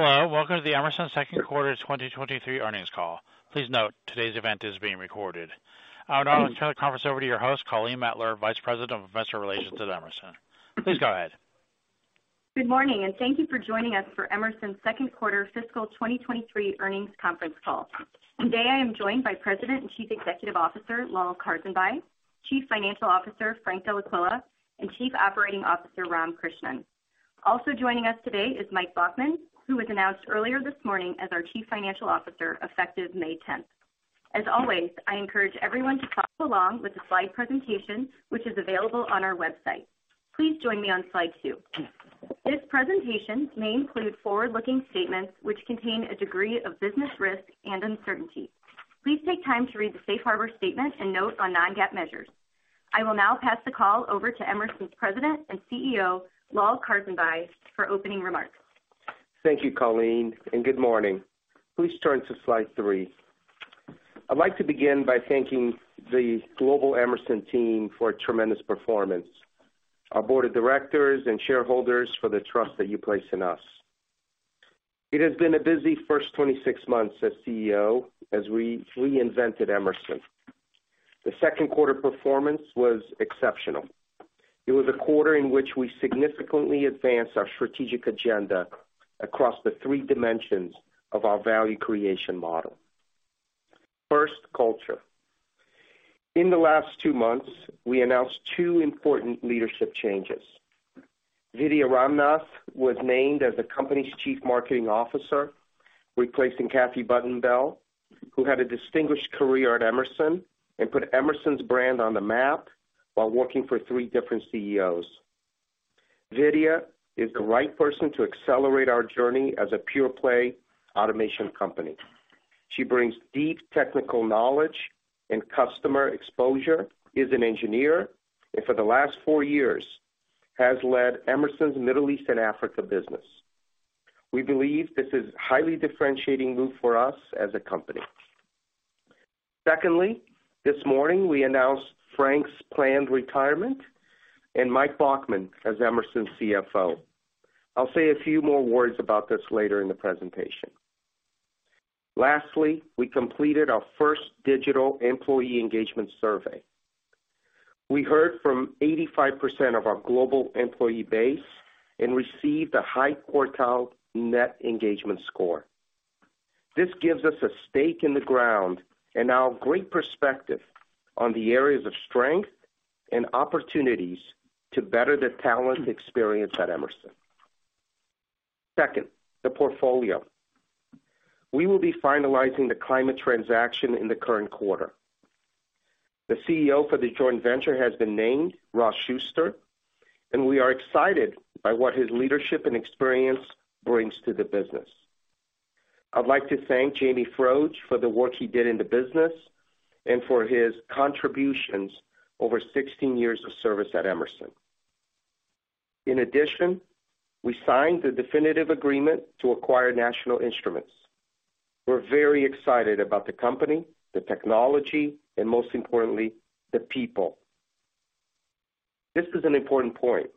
Hello, welcome to the Emerson Q2 2023 earnings call. Please note today's event is being recorded. I would now like to turn the conference over to your host, Colleen Mettler, Vice President of Investor Relations at Emerson. Please go ahead. Good morning, thank you for joining us for Emerson's Q2 fiscal 2023 earnings conference call. Today, I am joined by President and Chief Executive Officer, Lal Karsanbhai, Chief Financial Officer, Frank Dellaquila, and Chief Operating Officer, Ram Krishnan. Also joining us today is Mike Baughman, who was announced earlier this morning as our Chief Financial Officer, effective May 10th. As always, I encourage everyone to follow along with the slide presentation, which is available on our website. Please join me on slide 2. This presentation may include forward-looking statements which contain a degree of business risk and uncertainty. Please take time to read the safe harbor statement and note on non-GAAP measures. I will now pass the call over to Emerson's President and CEO, Lal Karsanbhai, for opening remarks. Thank you, Colleen. Good morning. Please turn to slide 3. I'd like to begin by thanking the global Emerson team for a tremendous performance, our board of directors and shareholders for the trust that you place in us. It has been a busy first 26 months as CEO as we reinvented Emerson. The Q2 performance was exceptional. It was a quarter in which we significantly advanced our strategic agenda across the 3 dimensions of our value creation model. First, culture. In the last 2 months, we announced 2 important leadership changes. Vidya Ramnath was named as the company's Chief Marketing Officer, replacing Kathy Button Bell, who had a distinguished career at Emerson and put Emerson's brand on the map while working for 3 different CEOs. Vidya is the right person to accelerate our journey as a pure-play automation company. She brings deep technical knowledge and customer exposure, is an engineer, and for the last 4 years has led Emerson's Middle East and Africa business. We believe this is highly differentiating move for us as a company. Secondly, this morning, we announced Frank's planned retirement and Mike Baughman as Emerson's CFO. I'll say a few more words about this later in the presentation. Lastly, we completed our 1st digital employee engagement survey. We heard from 85% of our global employee base and received a high quartile net engagement score. This gives us a stake in the ground and now great perspective on the areas of strength and opportunities to better the talent experience at Emerson. Second, the portfolio. We will be finalizing the Climate transaction in the current quarter. The CEO for the joint venture has been named Ross Shuster, and we are excited by what his leadership and experience brings to the business. I'd like to thank Jamie Froedge for the work he did in the business and for his contributions over 16 years of service at Emerson. In addition, we signed the definitive agreement to acquire National Instruments. We're very excited about the company, the technology, and most importantly, the people. This is an important point.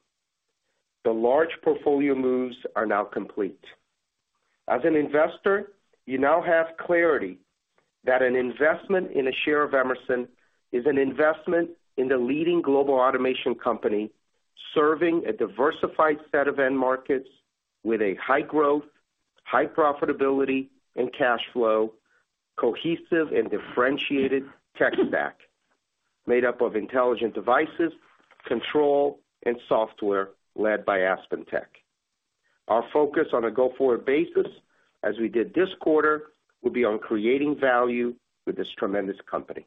The large portfolio moves are now complete. As an investor, you now have clarity that an investment in a share of Emerson is an investment in the leading global automation company, serving a diversified set of end markets with a high growth, high profitability, and cash flow, cohesive and differentiated tech stack made up of intelligent devices, control, and software led by AspenTech. Our focus on a go-forward basis, as we did this quarter, will be on creating value with this tremendous company.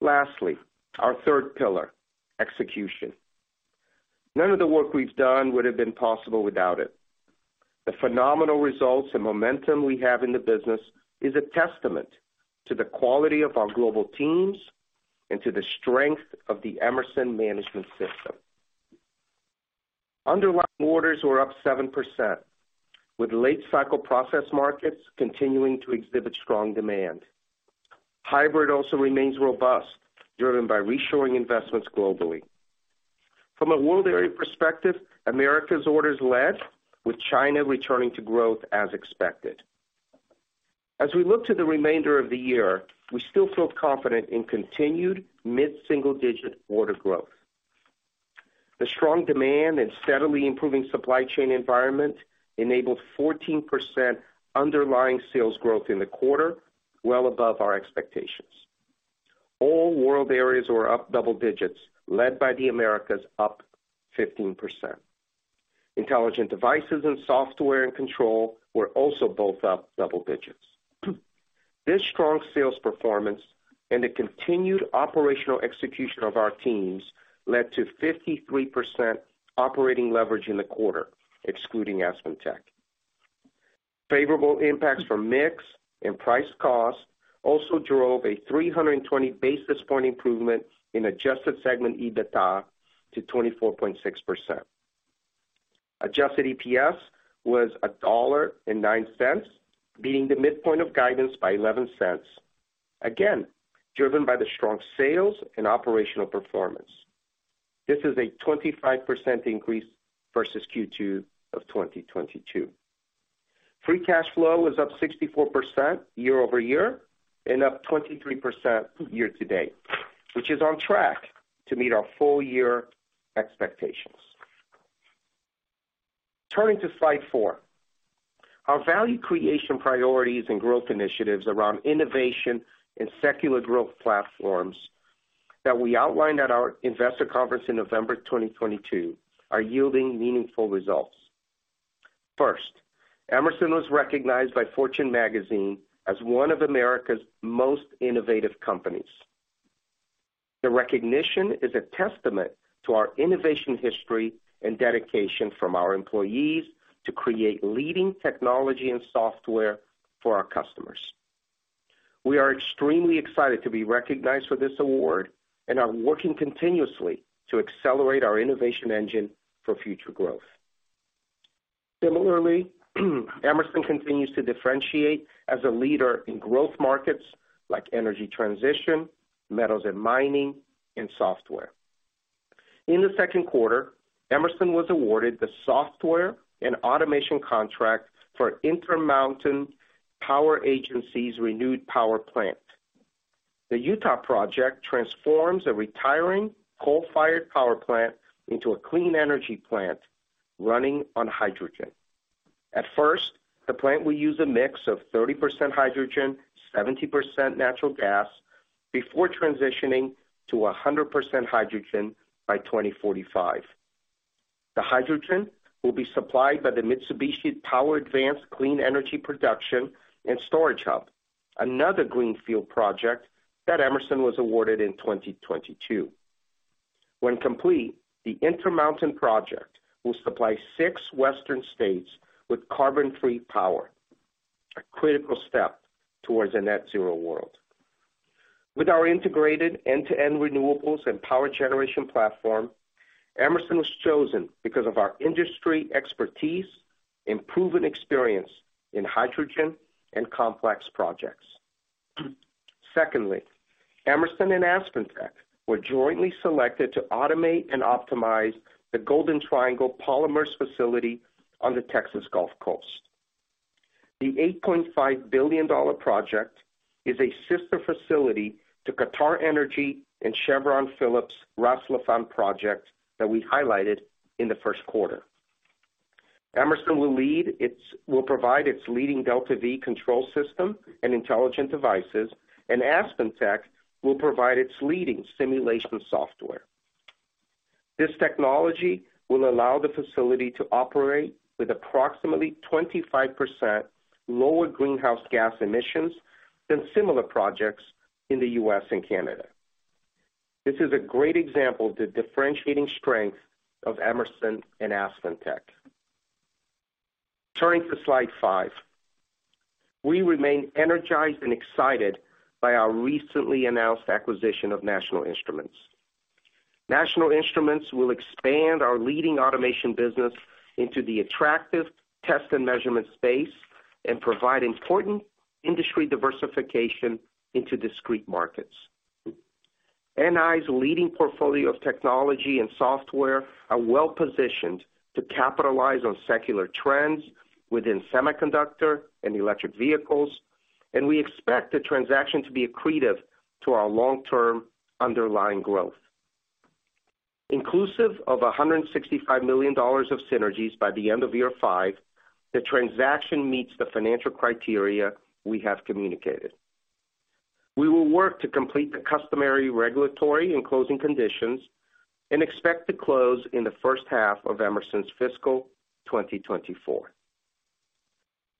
Lastly, our 3rd pillar, execution. None of the work we've done would have been possible without it. The phenomenal results and momentum we have in the business is a testament to the quality of our global teams and to the strength of the Emerson management system. Underlying orders were up 7%, with late-cycle process markets continuing to exhibit strong demand. Hybrid also remains robust, driven by reshoring investments globally. From a world area perspective, Americas orders led, with China returning to growth as expected. As we look to the remainder of the year, we still feel confident in continued mid-single-digit order growth. The strong demand and steadily improving supply chain environment enabled 14% underlying sales growth in the quarter, well above our expectations. All world areas were up double digits, led by the Americas, up 15%. intelligent devices and software and control were also both up double digits. This strong sales performance and the continued operational execution of our teams led to 53% operating leverage in the quarter, excluding AspenTech. Favorable impacts from mix and price cost also drove a 320 basis point improvement in adjusted segment EBITDA to 24.6%. Adjusted EPS was $1.09, beating the midpoint of guidance by $0.11, again, driven by the strong sales and operational performance. This is a 25% increase versus Q2 of 2022. Free cash flow is up 64% year-over-year and up 23% year to date, which is on track to meet our full year expectations. Turning to slide 4. Our value creation priorities and growth initiatives around innovation and secular growth platforms that we outlined at our investor conference in November 2022 are yielding meaningful results. First, Emerson was recognized by Fortune Magazine as one of America's most innovative companies. The recognition is a testament to our innovation history and dedication from our employees to create leading technology and software for our customers. We are extremely excited to be recognized for this award and are working continuously to accelerate our innovation engine for future growth. Similarly, Emerson continues to differentiate as a leader in growth markets like energy transition, metals and mining, and software. In the Q2, Emerson was awarded the software and automation contract for Intermountain Power Agency's renewed power plant. The Utah project transforms a retiring coal-fired power plant into a clean energy plant running on hydrogen. At first, the plant will use a mix of 30% hydrogen, 70% natural gas before transitioning to 100% hydrogen by 2045. The hydrogen will be supplied by the Mitsubishi Power Advanced Clean Energy Production and Storage Hub, another greenfield project that Emerson was awarded in 2022. When complete, the Intermountain project will supply 6 Western states with carbon-free power, a critical step towards a net zero world. With our integrated end-to-end renewables and power generation platform, Emerson was chosen because of our industry expertise and proven experience in hydrogen and complex projects. Secondly, Emerson and AspenTech were jointly selected to automate and optimize the Golden Triangle Polymers facility on the Texas Gulf Coast. The $8.5 billion project is a sister facility to QatarEnergy and Chevron Phillips' Ras Laffan project that we highlighted in the Q1. Emerson will provide its leading DeltaV control system and intelligent devices, and AspenTech will provide its leading simulation software. This technology will allow the facility to operate with approximately 25% lower greenhouse gas emissions than similar projects in the U.S. and Canada. This is a great example of the differentiating strength of Emerson and AspenTech. Turning to slide 5. We remain energized and excited by our recently announced acquisition of National Instruments. National Instruments will expand our leading automation business into the attractive test and measurement space and provide important industry diversification into discrete markets. NI's leading portfolio of technology and software are well-positioned to capitalize on secular trends within semiconductor and electric vehicles, and we expect the transaction to be accretive to our long-term underlying growth. Inclusive of $165 million of synergies by the end of year 5, the transaction meets the financial criteria we have communicated. We will work to complete the customary regulatory and closing conditions and expect to close in the H1 of Emerson's fiscal 2024.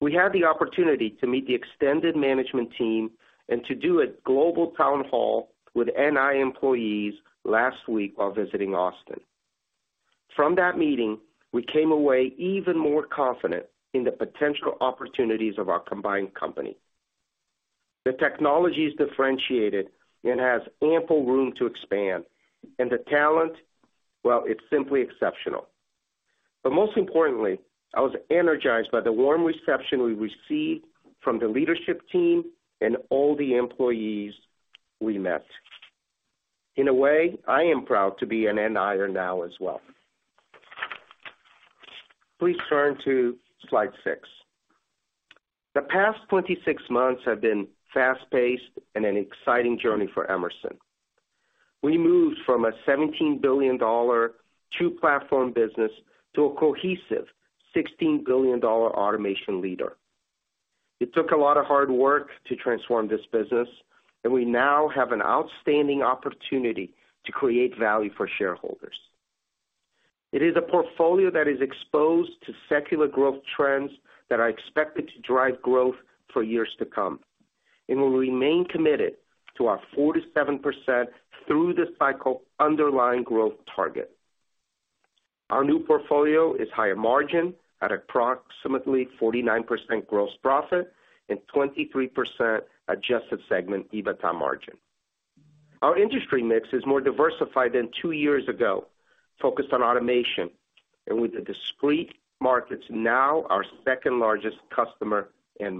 We had the opportunity to meet the extended management team and to do a global town hall with NI employees last week while visiting Austin. From that meeting, we came away even more confident in the potential opportunities of our combined company. The technology is differentiated and has ample room to expand, and the talent, well, it's simply exceptional. Most importantly, I was energized by the warm reception we received from the leadership team and all the employees we met. In a way, I am proud to be an NIer now as well. Please turn to slide 6. The past 26 months have been fast-paced and an exciting journey for Emerson. We moved from a $17 billion 2-platform business to a cohesive $16 billion automation leader. It took a lot of hard work to transform this business. We now have an outstanding opportunity to create value for shareholders. It is a portfolio that is exposed to secular growth trends that are expected to drive growth for years to come. We'll remain committed to our 4%-7% through the cycle underlying growth target. Our new portfolio is higher margin at approximately 49% gross profit and 23% adjusted segment EBITDA margin. Our industry mix is more diversified than 2 years ago, focused on automation and with the discrete markets now our 2nd-largest customer end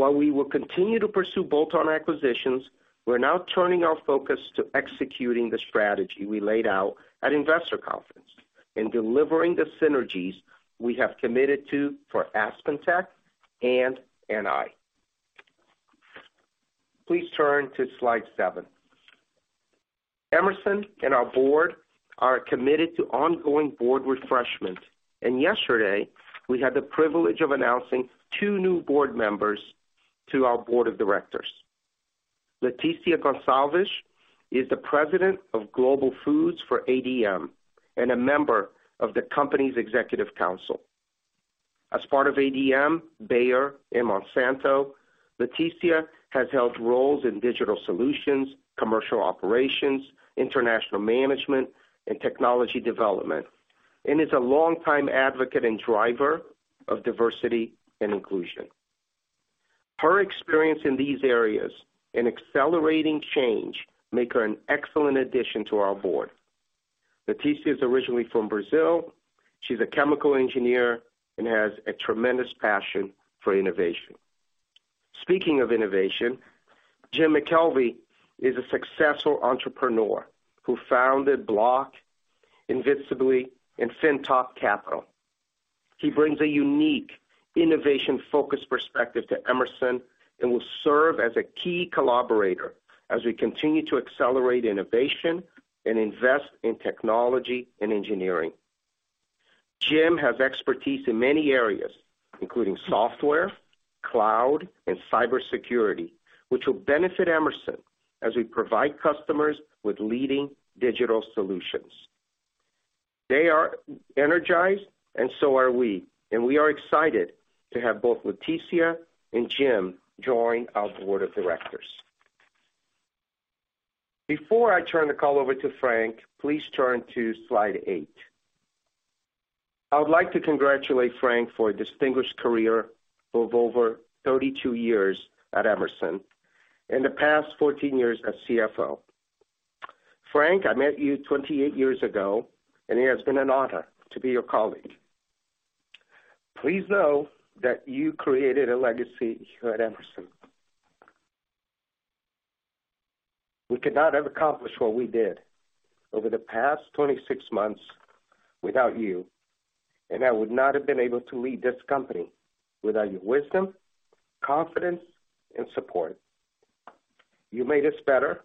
market. While we will continue to pursue bolt-on acquisitions, we're now turning our focus to executing the strategy we laid out at Investor Conference in delivering the synergies we have committed to for AspenTech and NI. Please turn to slide 7. Emerson and our board are committed to ongoing board refreshment. Yesterday, we had the privilege of announcing 2 new board members to our board of directors. Leticia Gonçalves is the President of Global Foods for ADM and a member of the company's executive council. As part of ADM, Bayer, and Monsanto, Leticia has held roles in digital solutions, commercial operations, international management, and technology development, and is a longtime advocate and driver of diversity and inclusion. Her experience in these areas and accelerating change make her an excellent addition to our board. Leticia is originally from Brazil. She's a chemical engineer and has a tremendous passion for innovation. Speaking of innovation, Jim McKelvey is a successful entrepreneur who founded Block, Invisibly, and FINTOP Capital. He brings a unique innovation-focused perspective to Emerson and will serve as a key collaborator as we continue to accelerate innovation and invest in technology and engineering. Jim has expertise in many areas, including software, cloud, and cybersecurity, which will benefit Emerson as we provide customers with leading digital solutions. They are energized, and so are we, and we are excited to have both Leticia and Jim join our board of directors. Before I turn the call over to Frank, please turn to slide 8. I would like to congratulate Frank for a distinguished career of over 32 years at Emerson and the past 14 years as CFO. Frank, I met you 28 years ago, it has been an honor to be your colleague. Please know that you created a legacy here at Emerson. We could not have accomplished what we did over the past 26 months without you, I would not have been able to lead this company without your wisdom, confidence, and support. You made us better.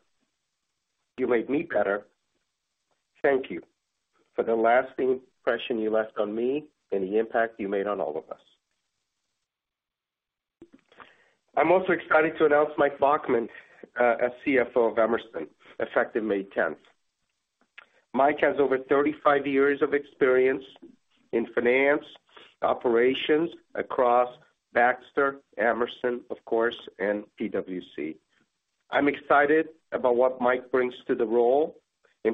You made me better. Thank you for the lasting impression you left on me and the impact you made on all of us. I'm also excited to announce Mike Baughman as CFO of Emerson, effective May 10th. Mike has over 35 years of experience in finance, operations across Baxter, Emerson, of course, and PwC. I'm excited about what Mike brings to the role,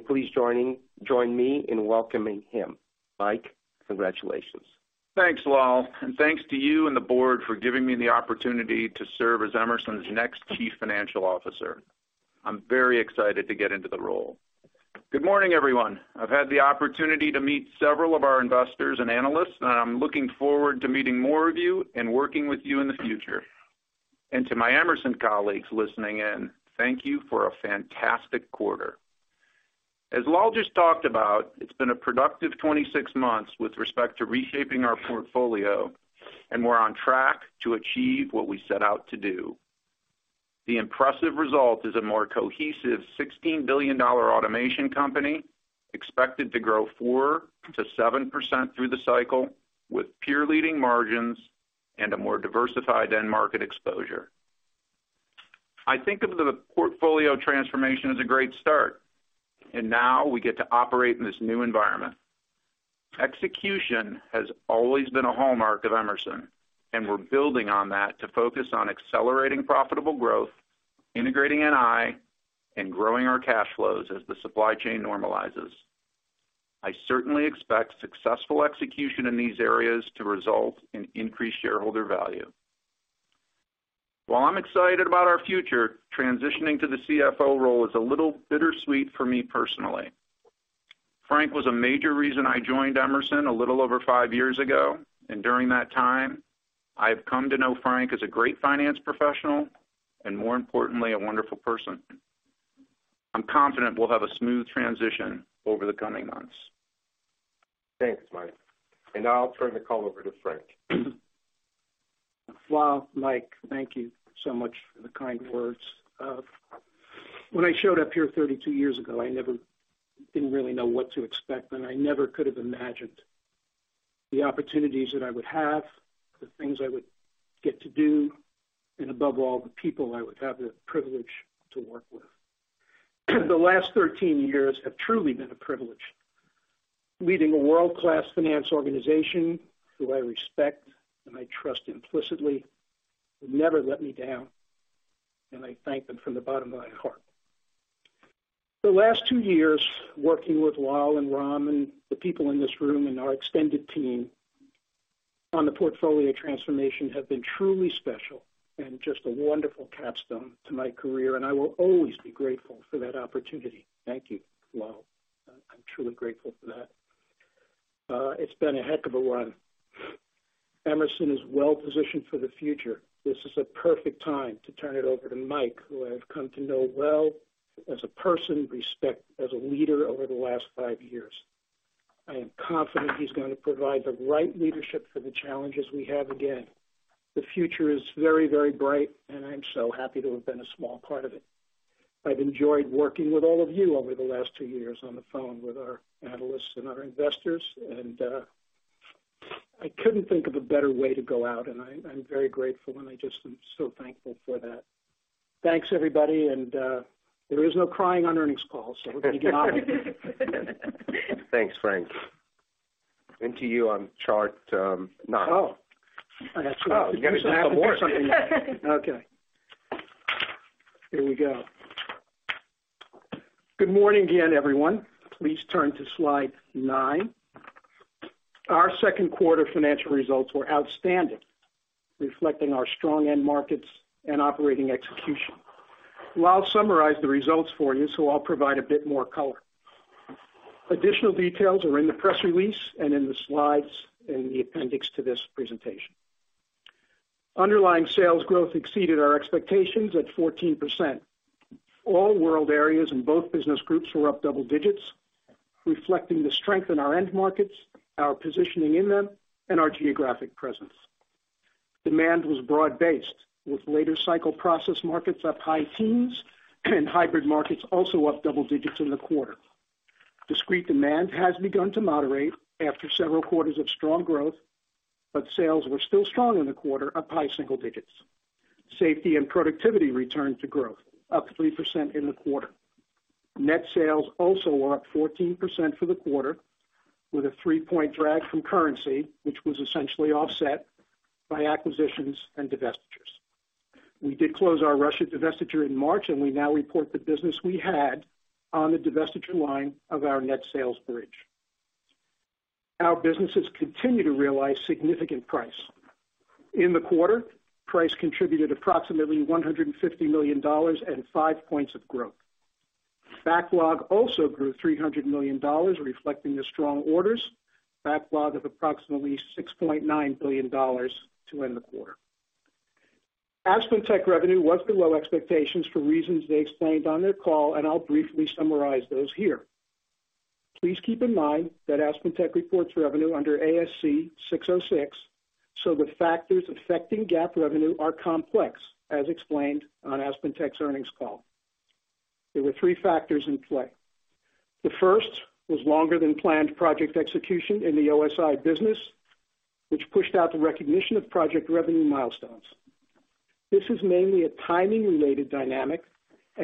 please join me in welcoming him. Mike, congratulations. Thanks, Lal, and thanks to you and the board for giving me the opportunity to serve as Emerson's next chief financial officer. I'm very excited to get into the role. Good morning, everyone. I've had the opportunity to meet several of our investors and analysts. I'm looking forward to meeting more of you and working with you in the future. To my Emerson colleagues listening in, thank you for a fantastic quarter. As Lal just talked about, it's been a productive 26 months with respect to reshaping our portfolio. We're on track to achieve what we set out to do. The impressive result is a more cohesive $16 billion automation company expected to grow 4%-7% through the cycle with peer-leading margins and a more diversified end market exposure. I think of the portfolio transformation as a great start, and now we get to operate in this new environment. Execution has always been a hallmark of Emerson, and we're building on that to focus on accelerating profitable growth, integrating NI, and growing our cash flows as the supply chain normalizes. I certainly expect successful execution in these areas to result in increased shareholder value. While I'm excited about our future, transitioning to the CFO role is a little bittersweet for me personally. Frank was a major reason I joined Emerson a little over 5 years ago, and during that time, I have come to know Frank as a great finance professional and, more importantly, a wonderful person. I'm confident we'll have a smooth transition over the coming months. Thanks, Mike. Now I'll turn the call over to Frank. Lal, Mike, thank you so much for the kind words. When I showed up here 32 years ago, I didn't really know what to expect. I never could have imagined the opportunities that I would have, the things I would get to do, and above all, the people I would have the privilege to work with. The last 13 years have truly been a privilege. Leading a world-class finance organization who I respect and I trust implicitly, who never let me down. I thank them from the bottom of my heart. The last 2 years working with Lal and Ram and the people in this room and our extended team on the portfolio transformation have been truly special and just a wonderful capstone to my career. I will always be grateful for that opportunity. Thank you, Lal. I'm truly grateful for that. It's been a heck of a run. Emerson is well-positioned for the future. This is a perfect time to turn it over to Mike, who I have come to know well as a person, respect as a leader over the last 5 years. I am confident he's gonna provide the right leadership for the challenges we have again. The future is very, very bright, I'm so happy to have been a small part of it. I've enjoyed working with all of you over the last 2 years on the phone with our analysts and our investors, I couldn't think of a better way to go out. I'm very grateful, and I just am so thankful for that. Thanks, everybody. There is no crying on earnings calls, so we're gonna get on with it. Thanks, Frank. To you on chart, 9. Oh. I got you. Oh, you got 1 more. Okay. Here we go. Good morning again, everyone. Please turn to slide 9. Our Q2 financial results were outstanding, reflecting our strong end markets and operating execution. I'll summarize the results for you, so I'll provide a bit more color. Additional details are in the press release and in the slides in the appendix to this presentation. Underlying sales growth exceeded our expectations at 14%. All world areas and both business groups were up double digits, reflecting the strength in our end markets, our positioning in them, and our geographic presence. Demand was broad-based, with later cycle process markets up high teens and hybrid markets also up double digits in the quarter. Discrete demand has begun to moderate after several quarters of strong growth, but sales were still strong in the quarter, up high single digits. Safety and productivity returned to growth, up 3% in the quarter. Net sales also were up 14% for the quarter, with a 3-point drag from currency, which was essentially offset by acquisitions and divestitures. We did close our Russia divestiture in March, and we now report the business we had on the divestiture line of our net sales bridge. Our businesses continue to realize significant price. In the quarter, price contributed approximately $150 million and 5 points of growth. Backlog also grew $300 million, reflecting the strong orders. Backlog of approximately $6.9 billion to end the quarter. AspenTech revenue was below expectations for reasons they explained on their call, and I'll briefly summarize those here. Please keep in mind that AspenTech reports revenue under ASC 606, so the factors affecting GAAP revenue are complex, as explained on AspenTech's earnings call. There were 3 factors in play. The first was longer than planned project execution in the OSI business, which pushed out the recognition of project revenue milestones. This is mainly a timing-related dynamic.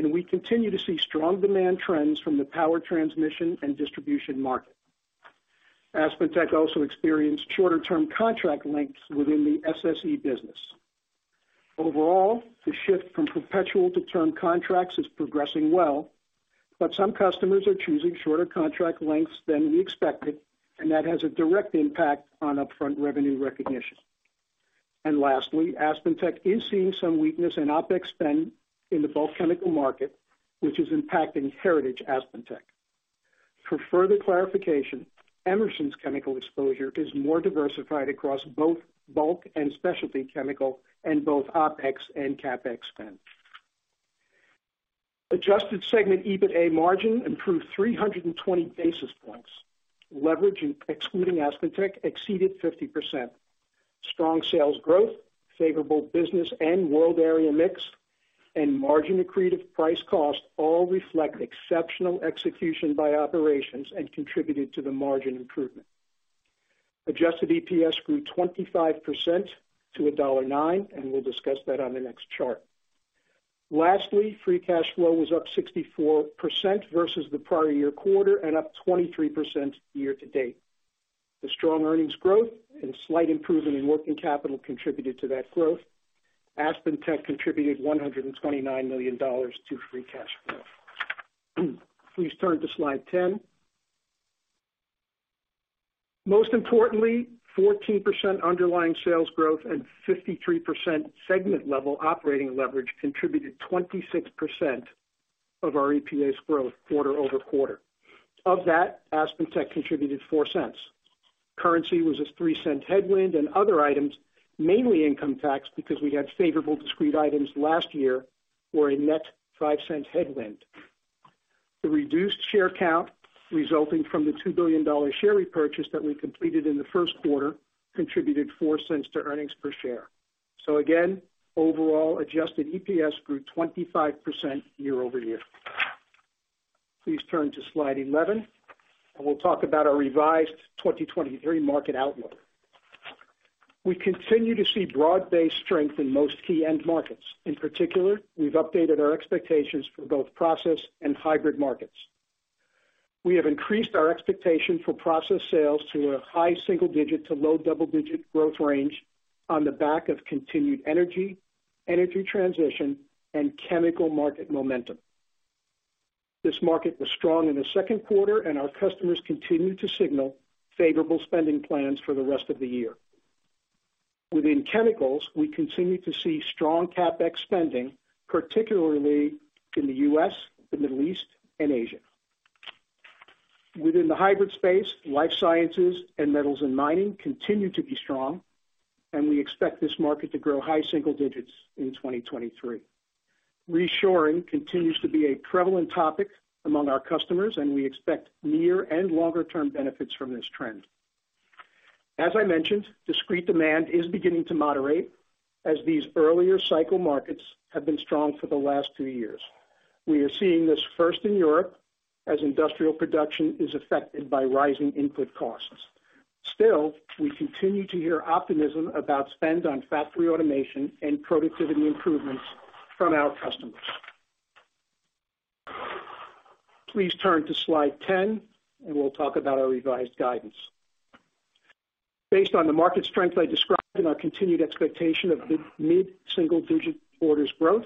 We continue to see strong demand trends from the power transmission and distribution market. AspenTech also experienced shorter-term contract lengths within the SSE business. Overall, the shift from perpetual to term contracts is progressing well, but some customers are choosing shorter contract lengths than we expected, and that has a direct impact on upfront revenue recognition. Lastly, AspenTech is seeing some weakness in OpEx spend in the bulk chemical market, which is impacting heritage AspenTech. For further clarification, Emerson's chemical exposure is more diversified across both bulk and specialty chemical and both OpEx and CapEx spend. Adjusted segment EBITDA margin improved 320 basis points. Leverage in excluding AspenTech exceeded 50%. Strong sales growth, favorable business and world area mix, and margin-accretive price cost all reflect exceptional execution by operations and contributed to the margin improvement. Adjusted EPS grew 25% to $1.09, we'll discuss that on the next chart. Lastly, free cash flow was up 64% versus the prior year quarter and up 23% year to date. The strong earnings growth and slight improvement in working capital contributed to that growth. AspenTech contributed $129 million to free cash flow. Please turn to slide 10. 14% underlying sales growth and 53% segment level operating leverage contributed 26% of our EPS growth quarter-over-quarter. Of that, AspenTech contributed $0.04. Currency was a $0.03 headwind, other items, mainly income tax, because we had favorable discrete items last year, were a net $0.05 headwind. The reduced share count resulting from the $2 billion share repurchase that we completed in the Q1 contributed $0.04 to earnings per share. Again, overall adjusted EPS grew 25% year-over-year. Please turn to slide 11, and we'll talk about our revised 2023 market outlook. We continue to see broad-based strength in most key end markets. In particular, we've updated our expectations for both process and hybrid markets. We have increased our expectation for process sales to a high single-digit to low double-digit growth range on the back of continued energy transition, and chemical market momentum. This market was strong in the Q2, and our customers continue to signal favorable spending plans for the rest of the year. Within chemicals, we continue to see strong CapEx spending, particularly in the US, the Middle East and Asia. Within the hybrid space, life sciences and metals and mining continue to be strong. We expect this market to grow high single digits in 2023. Reshoring continues to be a prevalent topic among our customers. We expect near and longer-term benefits from this trend. As I mentioned, discrete demand is beginning to moderate as these earlier cycle markets have been strong for the last 2 years. We are seeing this first in Europe as industrial production is affected by rising input costs. Still, we continue to hear optimism about spend on factory automation and productivity improvements from our customers. Please turn to slide 10. We'll talk about our revised guidance. Based on the market strength I described in our continued expectation of mid-single digit orders growth,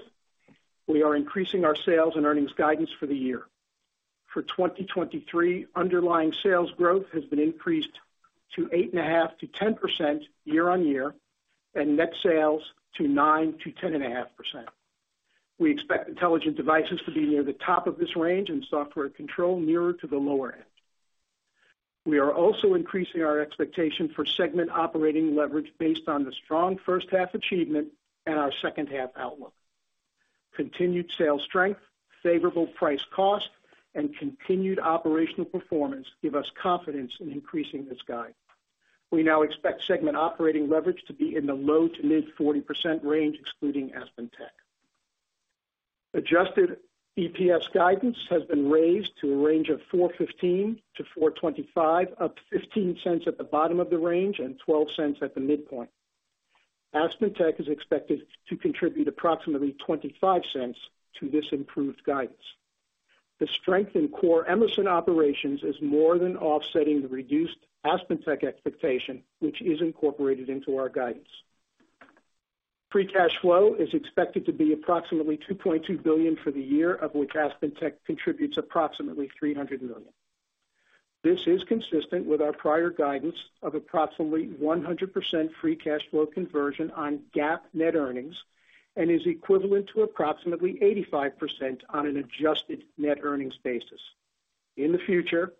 we are increasing our sales and earnings guidance for the year. For 2023, underlying sales growth has been increased to 8.5%-10% year-on-year, and net sales to 9%-10.5%. We expect intelligent devices to be near the top of this range and software control nearer to the lower end. We are also increasing our expectation for segment operating leverage based on the strong H1 achievement and our H2 outlook. Continued sales strength, favorable price cost, and continued operational performance give us confidence in increasing this guide. We now expect segment operating leverage to be in the low to mid 40% range, excluding AspenTech. Adjusted EPS guidance has been raised to a range of $4.15-$4.25, up $0.15 at the bottom of the range and $0.12 at the midpoint. AspenTech is expected to contribute approximately $0.25 to this improved guidance. The strength in core Emerson operations is more than offsetting the reduced AspenTech expectation, which is incorporated into our guidance. Free cash flow is expected to be approximately $2.2 billion for the year, of which AspenTech contributes approximately $300 million. This is consistent with our prior guidance of approximately 100% free cash flow conversion on GAAP net earnings and is equivalent to approximately 85% on an adjusted net earnings basis. In the future,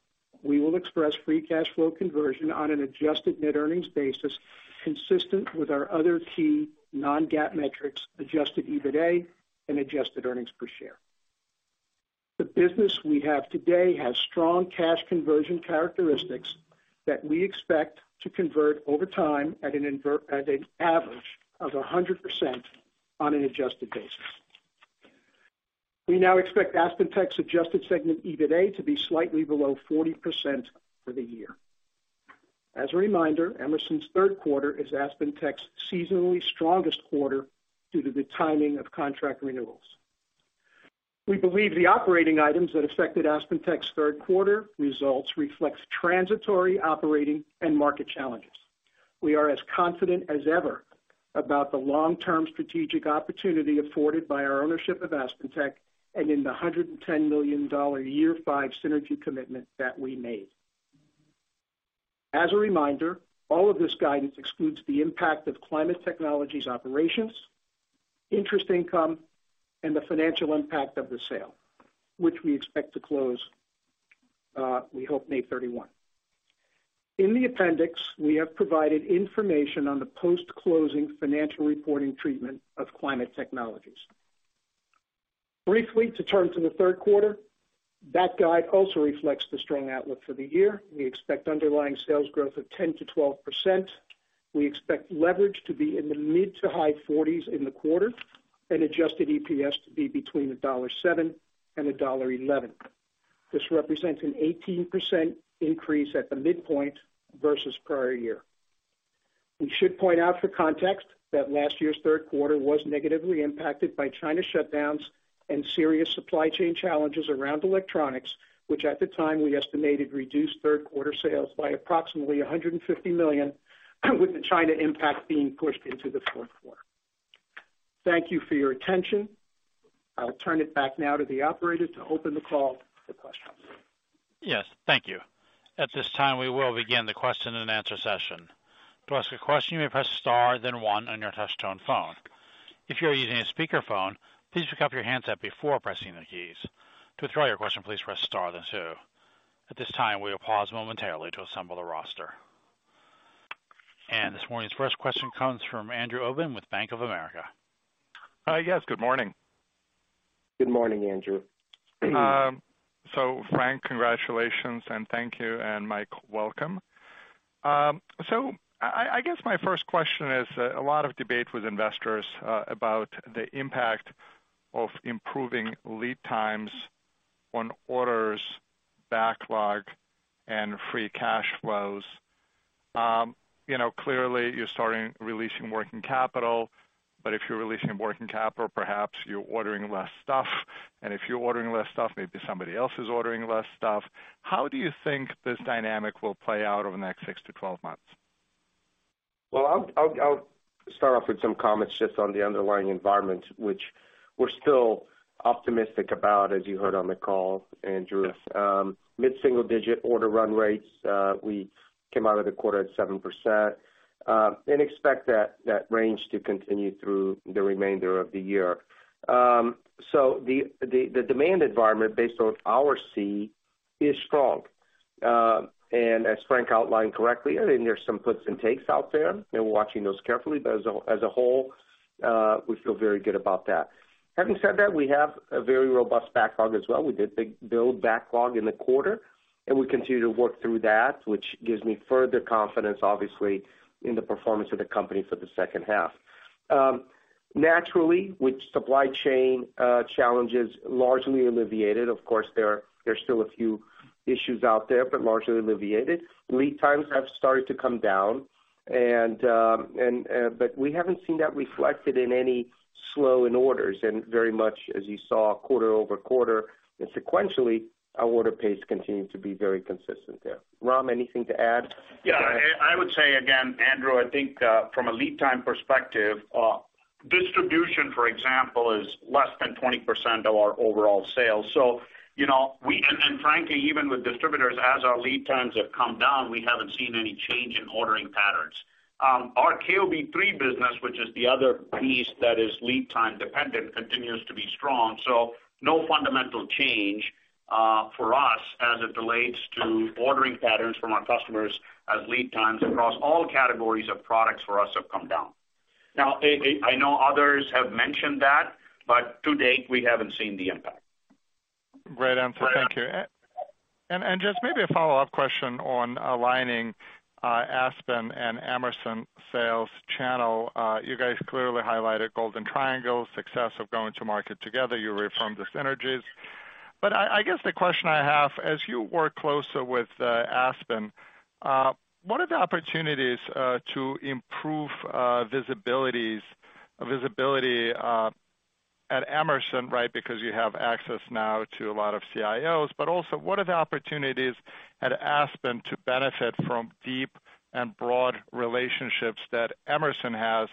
we will express free cash flow conversion on an adjusted net earnings basis, consistent with our other key non-GAAP metrics, adjusted EBITA, and adjusted earnings per share. The business we have today has strong cash conversion characteristics that we expect to convert over time at an average of 100% on an adjusted basis. We now expect AspenTech's adjusted segment EBITA to be slightly below 40% for the year. As a reminder, Emerson's Q3 is AspenTech's seasonally strongest quarter due to the timing of contract renewals. We believe the operating items that affected AspenTech's Q3 results reflects transitory operating and market challenges. We are as confident as ever about the long-term strategic opportunity afforded by our ownership of AspenTech and in the $110 million year 5 synergy commitment that we made. As a reminder, all of this guidance excludes the impact of Climate Technologies operations, interest income, and the financial impact of the sale, which we expect to close, we hope May 31. In the appendix, we have provided information on the post-closing financial reporting treatment of Climate Technologies. Briefly, to turn to the Q3, that guide also reflects the strong outlook for the year. We expect underlying sales growth of 10%-12%. We expect leverage to be in the mid-to-high forties in the quarter and adjusted EPS to be between $1.07 and $1.11. This represents an 18% increase at the midpoint versus prior year. We should point out for context that last year's Q3 was negatively impacted by China shutdowns and serious supply chain challenges around electronics, which at the time we estimated reduced Q3 sales by approximately $150 million, with the China impact being pushed into the Q4. Thank you for your attention. I'll turn it back now to the operator to open the call for questions. Yes, thank you. At this time, we will begin the question and answer session. To ask a question, you may press * then 1 on your touch tone phone. If you're using a speakerphone, please pick up your handset before pressing the keys. To withdraw your question, please press * then 2. At this time, we will pause momentarily to assemble the roster. This morning's 1st question comes from Andrew Obin with Bank of America. Yes, good morning. Good morning, Andrew. Frank, congratulations and thank you, Mike, welcome. I guess my 1st question is a lot of debate with investors, about the impact of improving lead times on orders backlog and free cash flows. You know, clearly you're starting releasing working capital, but if you're releasing working capital, perhaps you're ordering less stuff. If you're ordering less stuff, maybe somebody else is ordering less stuff. How do you think this dynamic will play out over the next 6 to 12 months? Well, I'll start off with some comments just on the underlying environment, which We're still optimistic about, as you heard on the call, Andrew Obin, mid-single digit order run rates. We came out of the quarter at 7%, and expect that range to continue through the remainder of the year. The demand environment based on our C is strong. As Frank Dellaquila outlined correctly, I think there's some puts and takes out there, and we're watching those carefully. But as a whole, we feel very good about that. Having said that, we have a very robust backlog as well. We did big build backlog in the quarter, and we continue to work through that, which gives me further confidence, obviously, in the performance of the company for the H2. Naturally, with supply chain challenges largely alleviated, of course, there's still a few issues out there, but largely alleviated. Lead times have started to come down and we haven't seen that reflected in any slow in orders. Very much as you saw quarter-over-quarter and sequentially, our order pace continued to be very consistent there. Ram, anything to add? I would say again, Andrew, I think, from a lead time perspective, distribution, for example, is less than 20% of our overall sales. You know, and, frankly, even with distributors, as our lead times have come down, we haven't seen any change in ordering patterns. Our KOB 3 business, which is the other piece that is lead time dependent, continues to be strong. No fundamental change for us as it relates to ordering patterns from our customers as lead times across all categories of products for us have come down. I know others have mentioned that, but to date, we haven't seen the impact. Great answer. Thank you. And just maybe a follow-up question on aligning Aspen and Emerson sales channel. You guys clearly highlighted Golden Triangle success of going to market together. You reaffirmed the synergies. I guess the question I have, as you work closer with Aspen, what are the opportunities to improve visibility at Emerson, right, because you have access now to a lot of CIOs. Also, what are the opportunities at Aspen to benefit from deep and broad relationships that Emerson has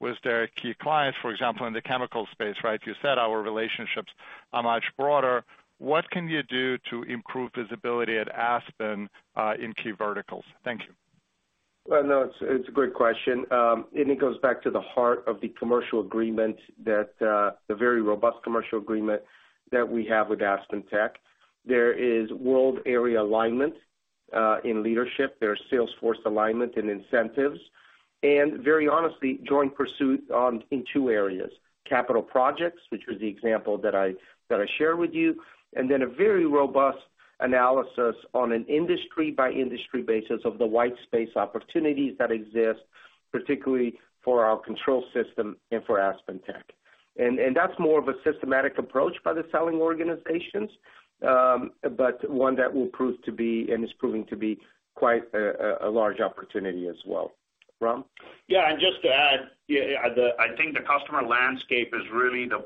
with their key clients, for example, in the chemical space, right? You said our relationships are much broader. What can you do to improve visibility at Aspen in key verticals? Thank you. Well, no, it's a great question. It goes back to the heart of the very robust commercial agreement that we have with AspenTech. There is world area alignment in leadership. There's sales force alignment and incentives, and very honestly, joint pursuit on, in 2 areas, capital projects, which was the example that I shared with you, and then a very robust analysis on an industry by industry basis of the white space opportunities that exist, particularly for our control system and for AspenTech. That's more of a systematic approach by the selling organizations, but 1 that will prove to be, and is proving to be quite a large opportunity as well. Ram? Yeah. Just to add, I think the customer landscape is really the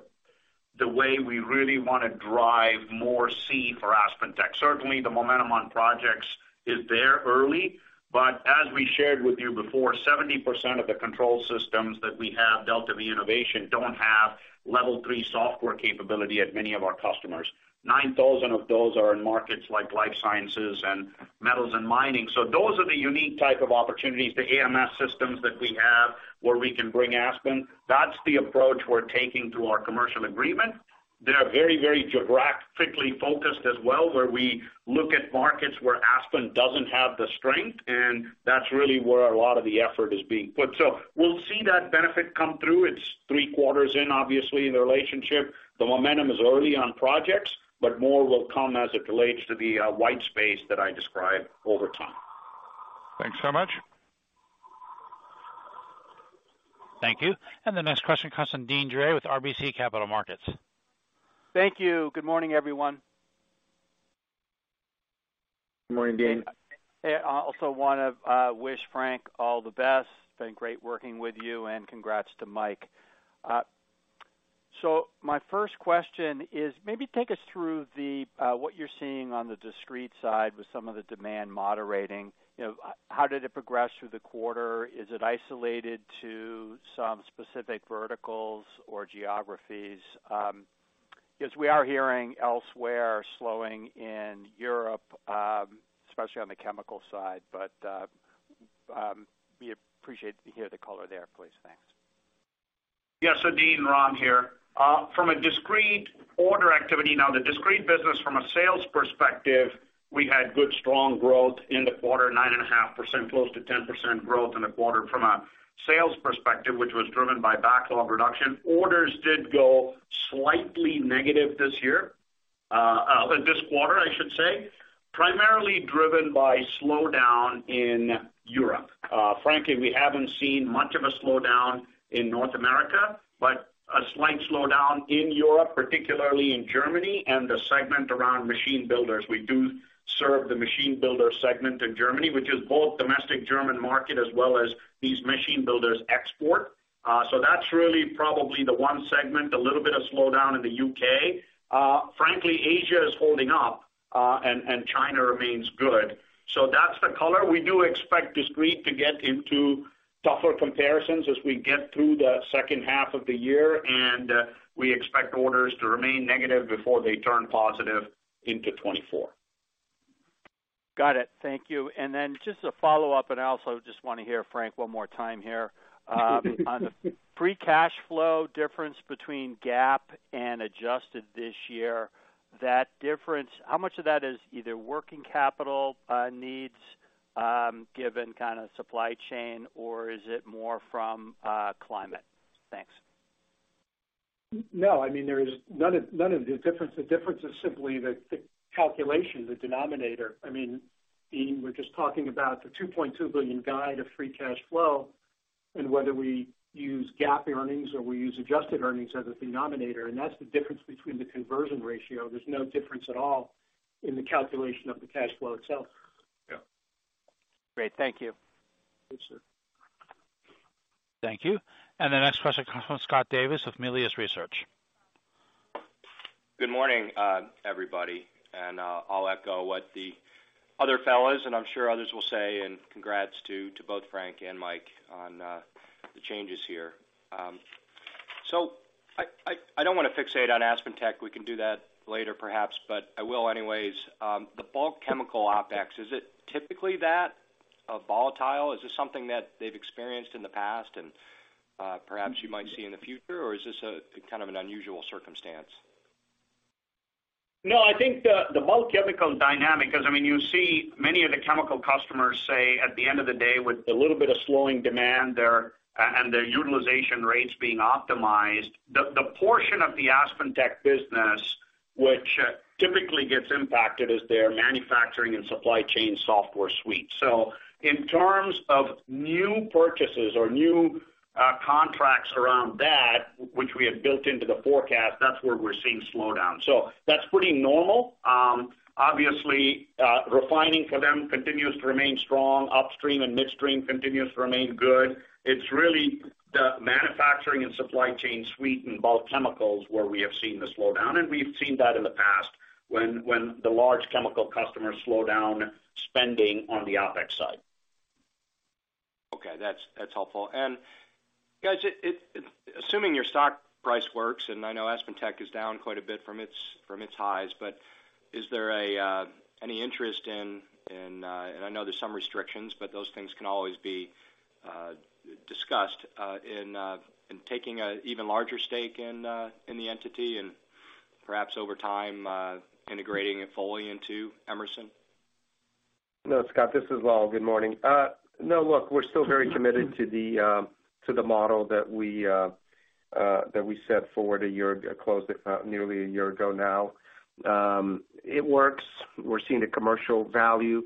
way we really want to drive more C for AspenTech. Certainly, the momentum on projects is there early. As we shared with you before, 70% of the control systems that we have DeltaV innovation don't have level 3 software capability at many of our customers. 9,000 of those are in markets like life sciences and metals and mining. Those are the unique type of opportunities, the AMS systems that we have, where we can bring Aspen. That's the approach we're taking through our commercial agreement. They are very, very geographically focused as well, where we look at markets where Aspen doesn't have the strength, and that's really where a lot of the effort is being put. We'll see that benefit come through. It's 3 quarters in, obviously, the relationship. The momentum is early on projects, but more will come as it relates to the white space that I described over time. Thanks so much. Thank you. The next question comes from Deane Dray with RBC Capital Markets. Thank you. Good morning, everyone. Good morning, Deane. Hey, I also wanna wish Frank Dellaquila all the best. It's been great working with you. Congrats to Mike Baughman. My 1st question is maybe take us through the what you're seeing on the discrete side with some of the demand moderating. You know, how did it progress through the quarter? Is it isolated to some specific verticals or geographies? Because we are hearing elsewhere slowing in Europe, especially on the chemical side, but we appreciate to hear the color there, please. Thanks. Deane, Ram here. From a discrete order activity, now the discrete business from a sales perspective, we had good strong growth in the quarter, 9.5%, close to 10% growth in the quarter from a sales perspective, which was driven by backlog reduction. Orders did go slightly negative this year, this quarter, I should say, primarily driven by slowdown in Europe. Frankly, we haven't seen much of a slowdown in North America, but a slight slowdown in Europe, particularly in Germany and the segment around machine builders. We do serve the machine builder segment in Germany, which is both domestic German market as well as these machine builders export. That's really probably the 1 segment, a little bit of slowdown in the U.K. Frankly, Asia is holding up, and China remains good. That's the color. We do expect discrete to get into tougher comparisons as we get through the H2 of the year, and we expect orders to remain negative before they turn positive into 2024. Got it. Thank you. Just a follow-up, I also just want to hear Frank 1 more time here. On the free cash flow difference between GAAP and adjusted this year, that difference, how much of that is either working capital needs given kind of supply chain, or is it more from climate? Thanks. No, I mean, there is none of the difference. The difference is simply the calculation, the denominator. I mean, Ian, we're just talking about the $2.2 billion guide of free cash flow and whether we use GAAP earnings or we use adjusted earnings as the denominator. That's the difference between the conversion ratio. There's no difference at all in the calculation of the cash flow itself. Yeah. Great. Thank you. Yes, sir. Thank you. The next question comes from Scott Davis of Melius Research. Good morning, everybody. I'll echo what the other fellows, I'm sure others will say. Congrats to both Frank and Mike on the changes here. I don't wanna fixate on AspenTech. We can do that later perhaps. I will anyways. The bulk chemical OpEx, is it typically that volatile? Is this something that they've experienced in the past and perhaps you might see in the future, or is this a kind of an unusual circumstance? I think the bulk chemical dynamic, 'cause, I mean, you see many of the chemical customers say at the end of the day, with a little bit of slowing demand there and their utilization rates being optimized, the portion of the AspenTech business which typically gets impacted is their manufacturing and supply chain software suite. In terms of new purchases or new contracts around that which we have built into the forecast, that's where we're seeing slowdown. That's pretty normal. Obviously, refining for them continues to remain strong. Upstream and midstream continues to remain good. It's really the manufacturing and supply chain suite and bulk chemicals where we have seen the slowdown, and we've seen that in the past when the large chemical customers slow down spending on the OpEx side. Okay. That's helpful. Guys, assuming your stock price works, and I know AspenTech is down quite a bit from its highs, is there any interest in, and I know there's some restrictions, but those things can always be discussed in taking an even larger stake in the entity and perhaps over time integrating it fully into Emerson? No, Scott, this is Lal. Good morning. No, look, we're still very committed to the model that we set forward a year ago, close to nearly a year ago now. It works. We're seeing the commercial value.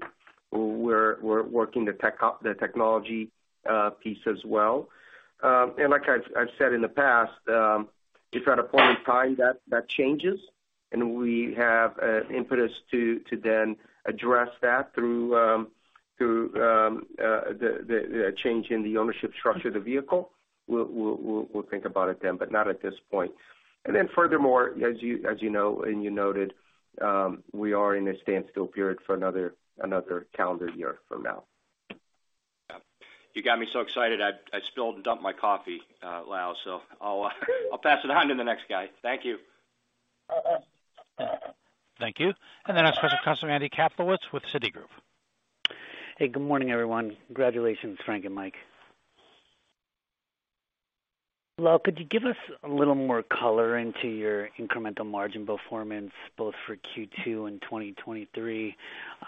We're working the technology piece as well. Like I've said in the past, if at a point in time that changes and we have impetus to then address that through the change in the ownership structure of the vehicle, we'll think about it then, but not at this point. Furthermore, as you know and you noted, we are in a standstill period for another calendar year from now. Yeah. You got me so excited I spilled and dumped my coffee, Lal, so I'll pass it on to the next guy. Thank you. Thank you. The next question comes from Andy Kaplowitz with Citigroup. Hey, good morning, everyone. Congratulations, Frank and Mike. Lal, could you give us a little more color into your incremental margin performance both for Q2 and 2023?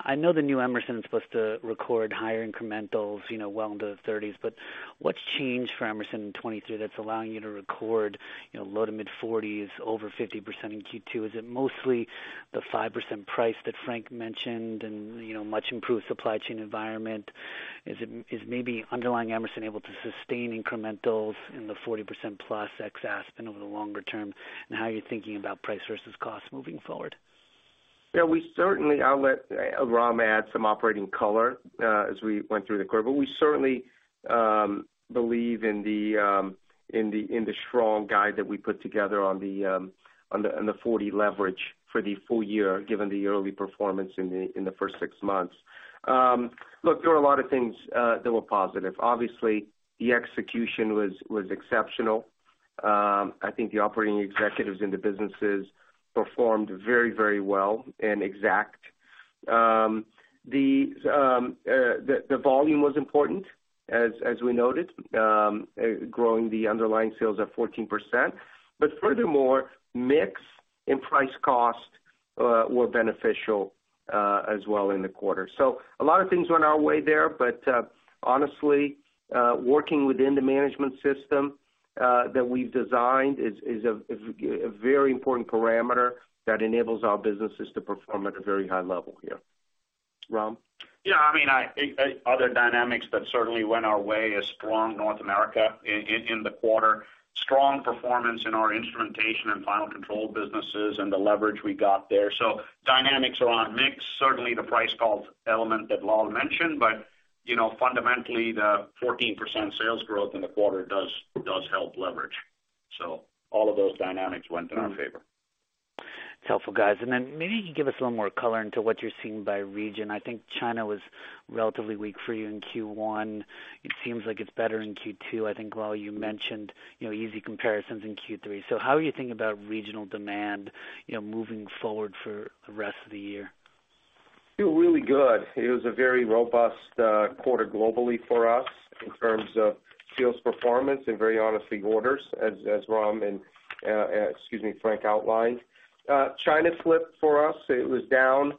I know the new Emerson is supposed to record higher incrementals, you know, well into the 30s, what's changed for Emerson in 2023 that's allowing you to record, you know, low-to-mid 40s, over 50% in Q2? Is it mostly the 5% price that Frank mentioned and, you know, much improved supply chain environment? Is maybe underlying Emerson able to sustain incrementals in the 40% plus ex Aspen over the longer term, and how you're thinking about price versus cost moving forward? Yeah. I'll let Ram add some operating color as we went through the quarter. We certainly believe in the strong guide that we put together on the 40 leverage for the full year, given the early performance in the first 6 months. Look, there were a lot of things that were positive. Obviously, the execution was exceptional. I think the operating executives in the businesses performed very well and exact. The volume was important as we noted, growing the underlying sales at 14%. Furthermore, mix and price cost were beneficial as well in the quarter. A lot of things went our way there, but, honestly, working within the management system that we've designed is a very important parameter that enables our businesses to perform at a very high level here. Ram? I mean, other dynamics that certainly went our way is strong North America in the quarter, strong performance in our instrumentation and final control businesses and the leverage we got there. Dynamics around mix, certainly the price called element that Lal mentioned, but you know, fundamentally, the 14% sales growth in the quarter does help leverage. All of those dynamics went in our favor. It's helpful, guys. Then maybe you can give us a little more color into what you're seeing by region. I think China was relatively weak for you in Q1. It seems like it's better in Q2. I think, Lal, you mentioned, you know, easy comparisons in Q3. How are you thinking about regional demand, you know, moving forward for the rest of the year? Feel really good. It was a very robust quarter globally for us in terms of sales performance and very honestly orders as Ram and, excuse me, Frank outlined. China flipped for us. It was down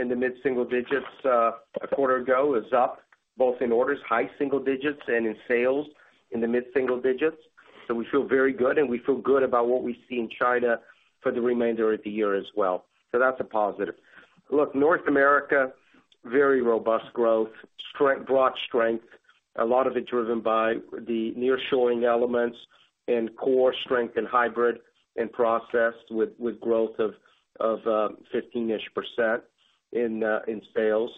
in the mid-single digits a quarter ago. It was up both in orders, high single digits, and in sales in the mid-single digits. We feel very good, and we feel good about what we see in China for the remainder of the year as well. That's a positive. Look, North America, very robust growth, broad strength, a lot of it driven by the nearshoring elements and core strength in hybrid and process with growth of 15-ish% in sales.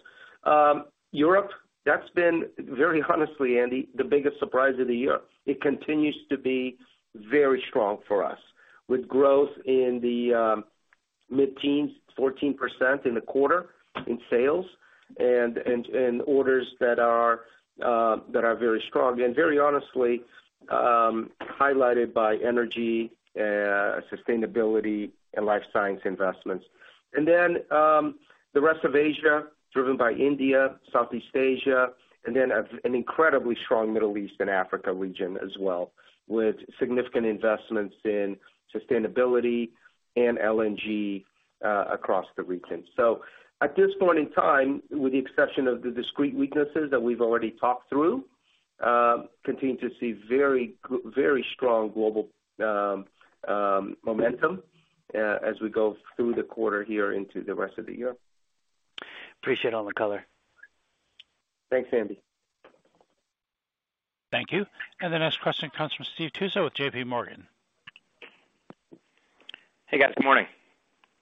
Europe, that's been very honestly, Andy, the biggest surprise of the year. It continues to be very strong for us with growth in the mid-teens, 14% in the quarter in sales and orders that are very strong and very honestly highlighted by energy, sustainability and life science investments. The rest of Asia, driven by India, Southeast Asia, and then an incredibly strong Middle East and Africa region as well, with significant investments in sustainability and LNG across the region. At this point in time, with the exception of the discrete weaknesses that we've already talked through, continue to see very strong global momentum as we go through the quarter here into the rest of the year. Appreciate all the color. Thanks, Andy. Thank you. The next question comes from Steve Tusa with J.P. Morgan. Hey, guys. Good morning.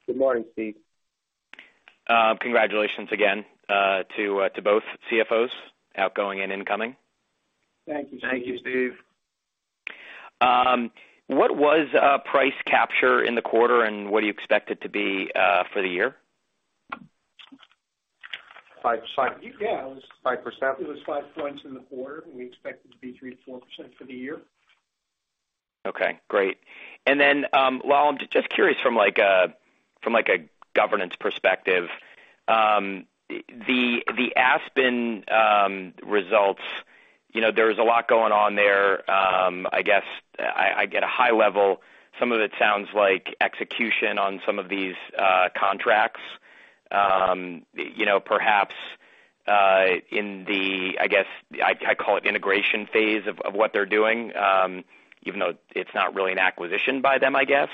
Good morning, Steve. Congratulations again, to both CFOs, outgoing and incoming. Thank you, Steve. Thank you, Steve. What was price capture in the quarter, and what do you expect it to be for the year? 5. Yeah. 5%. It was 5 points in the quarter, and we expect it to be 3%-4% for the year. Okay, great. Lal, I'm just curious from like a governance perspective, the Aspen results, you know, there was a lot going on there. I guess I get a high level. Some of it sounds like execution on some of these contracts, you know, perhaps in the, I guess I call it integration phase of what they're doing, even though it's not really an acquisition by them, I guess.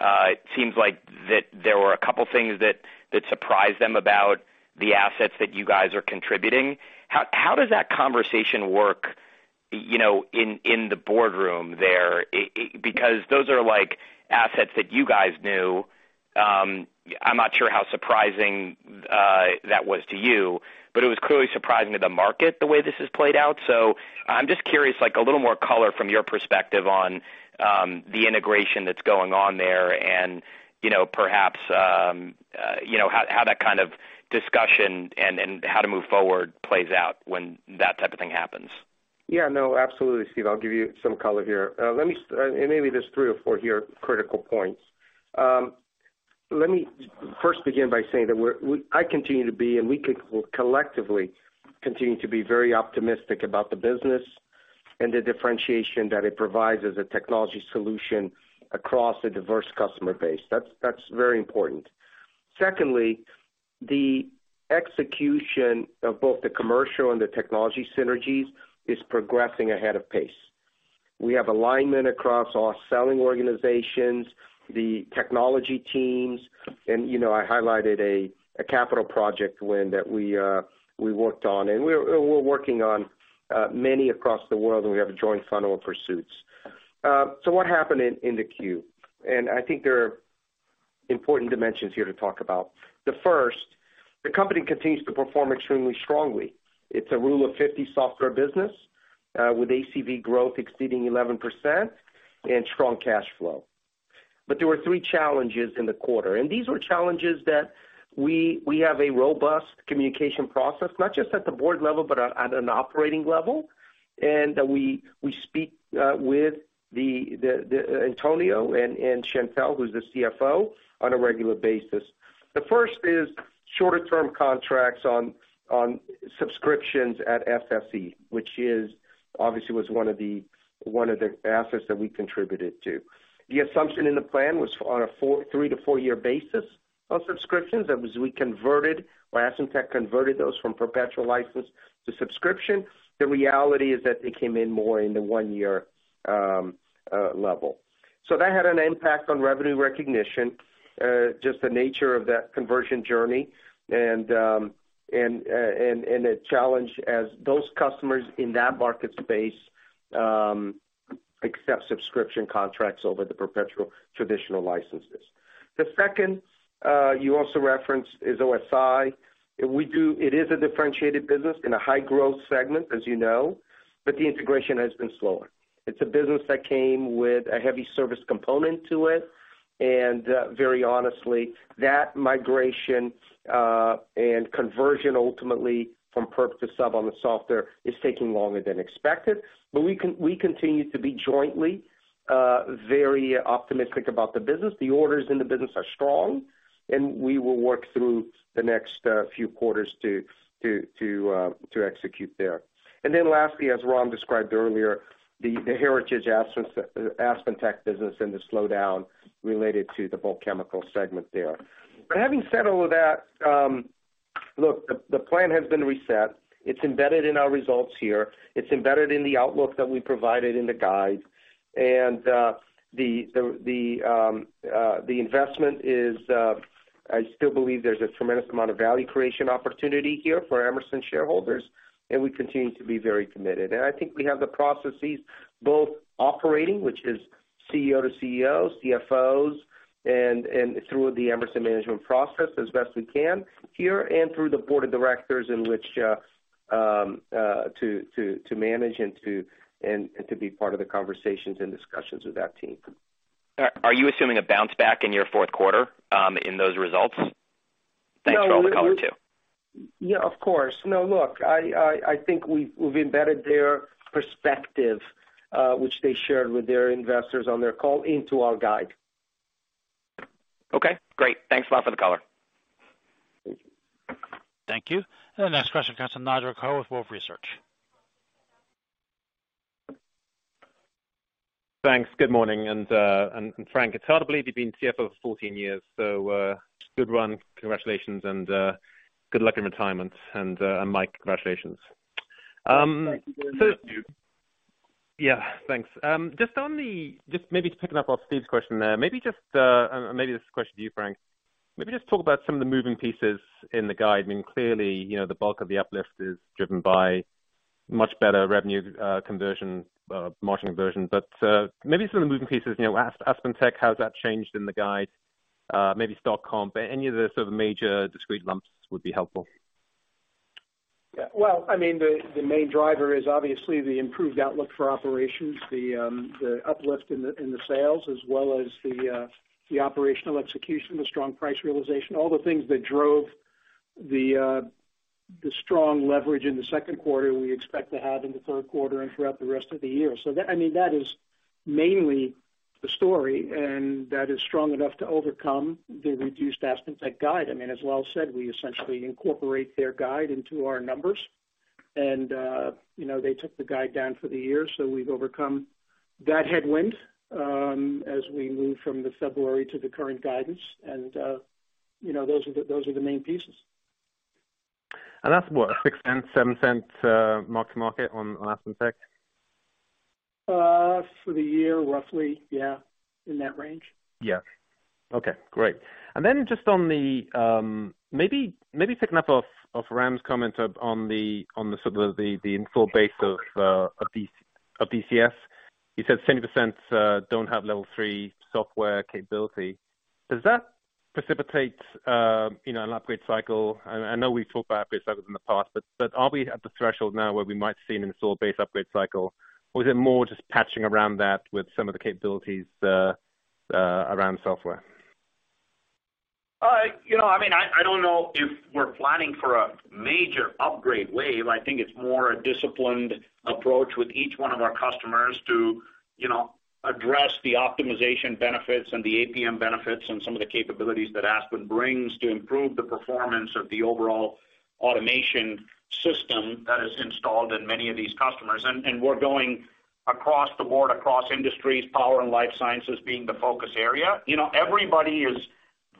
It seems like that there were a couple things that surprised them about the assets that you guys are contributing. How does that conversation work, you know, in the boardroom there? Because those are like assets that you guys knew. I'm not sure how surprising that was to you, but it was clearly surprising to the market the way this has played out. I'm just curious, like a little more color from your perspective on the integration that's going on there and, you know, perhaps, you know, how that kind of discussion and how to move forward plays out when that type of thing happens. No, absolutely, Steve. I'll give you some color here. Maybe there's 3 or 4 here critical points. Let me first begin by saying that I continue to be, and we collectively continue to be very optimistic about the business and the differentiation that it provides as a technology solution across a diverse customer base. That's very important. Secondly, the execution of both the commercial and the technology synergies is progressing ahead of pace. We have alignment across our selling organizations, the technology teams, and, you know, I highlighted a capital project win that we worked on, and we're working on many across the world, and we have a joint funnel of pursuits. What happened in the queue? I think there are important dimensions here to talk about. The first, the company continues to perform extremely strongly. It's a Rule of 50 software business with ACV growth exceeding 11% and strong cash flow. There were 3 challenges in the quarter, and these were challenges that we have a robust communication process, not just at the board level, but at an operating level. We speak with Antonio and Chantelle, who's the CFO, on a regular basis. The first is shorter-term contracts on subscriptions at FSE, which is obviously was one of the assets that we contributed to. The assumption in the plan was on a 3 to 4-year basis of subscriptions. That was we converted or AspenTech converted those from perpetual license to subscription. The reality is that they came in more in the 1 year level. That had an impact on revenue recognition, just the nature of that conversion journey and a challenge as those customers in that market space, except subscription contracts over the perpetual traditional licenses. The second, you also referenced is OSI. It is a differentiated business in a high growth segment, as you know, but the integration has been slower. It's a business that came with a heavy service component to it, and very honestly, that migration and conversion ultimately from perp to sub on the software is taking longer than expected. We continue to be jointly very optimistic about the business. The orders in the business are strong, and we will work through the next few quarters to execute there. Lastly, as Ram described earlier, the heritage AspenTech business and the slowdown related to the bulk chemical segment there. Having said all of that, look, the plan has been reset. It's embedded in our results here. It's embedded in the outlook that we provided in the guide. The investment is, I still believe there's a tremendous amount of value creation opportunity here for Emerson shareholders, and we continue to be very committed. I think we have the processes both operating, which is CEO to CEO, CFOs, and through the Emerson management process as best we can here and through the board of directors in which to manage and to be part of the conversations and discussions with that team. Are you assuming a bounce back in your Q4 in those results? Thanks for all the color too. Yeah, of course. Look, I think we've embedded their perspective, which they shared with their investors on their call into our guide. Okay, great. Thanks a lot for the color. Thank you. The next question comes from Nigel Coe with Wolfe Research. Thanks. Good morning. Frank Dellaquila, it's hard to believe you've been CFO for 14 years, so good one. Congratulations. Good luck in retirement. Mike Baughman, congratulations. Thank you. Yeah, thanks. just maybe picking up off Steve's question there. Maybe this is a question to you, Frank. Maybe just talk about some of the moving pieces in the guide. I mean, clearly, you know, the bulk of the uplift is driven by much better revenue conversion, margin conversion. Maybe some of the moving pieces, you know, AspenTech, how's that changed in the guide? Maybe Stock Comp, any of the sort of major discrete lumps would be helpful. Well, I mean, the main driver is obviously the improved outlook for operations, the uplift in the sales, as well as the operational execution, the strong price realization, all the things that drove the strong leverage in the Q2, we expect to have in the Q3 and throughout the rest of the year. That, I mean, that is mainly the story, and that is strong enough to overcome the reduced AspenTech guide. I mean, as Lal said, we essentially incorporate their guide into our numbers. You know, they took the guide down for the year, so we've overcome that headwind as we move from the February to the current guidance. You know, those are the main pieces. that's what? $0.06, $0.07, mark to market on AspenTech? for the year, roughly, yeah, in that range. Yeah. Okay, great. Then just on the, maybe picking up off Ram's comment on the, on the sort of the install base of BCS. He said 70% don't have level 3 software capability. Does that precipitate, you know, an upgrade cycle? I know we've talked about upgrade cycles in the past, but are we at the threshold now where we might see an install base upgrade cycle? Or is it more just patching around that with some of the capabilities around software? You know, I mean, I don't know if we're planning for a major upgrade wave. I think it's more a disciplined approach with each one of our customers to, you know, address the optimization benefits and the APM benefits and some of the capabilities that Aspen brings to improve the performance of the overall automation system that is installed in many of these customers. We're going across the board, across industries, power and life sciences being the focus area. You know, everybody is